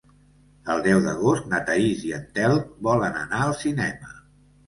El deu d'agost na Thaís i en Telm volen anar al cinema.